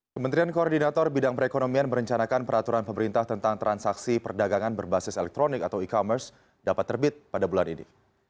kementerian koordinator bidang perekonomian merencanakan peraturan pemerintah tentang transaksi perdagangan berbasis elektronik atau e commerce dapat terbit pada bulan ini